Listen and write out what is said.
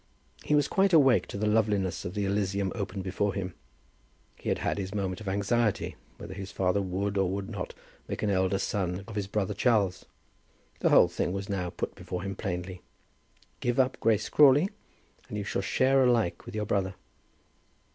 He was quite awake to the loveliness of the elysium opened before him. He had had his moment of anxiety, whether his father would or would not make an elder son of his brother Charles. The whole thing was now put before him plainly. Give up Grace Crawley, and you shall share alike with your brother.